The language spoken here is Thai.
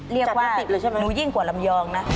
เรียกว่าหนูยิ่งกว่าลำยองนะ